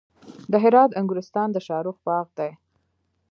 د هرات انګورستان د شاهرخ باغ دی